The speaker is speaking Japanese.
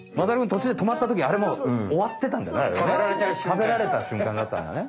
食べられたしゅんかんだったんだね。